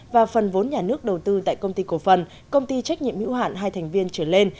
và phần vốn nhà nước đầu tư tại công ty cổ phần công ty trách nhiệm hữu hạn hai thành viên trở lên